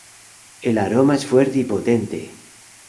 El aroma es fuerte y potente.